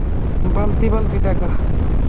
বালতি বালতি টাকা।